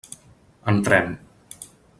Entrem.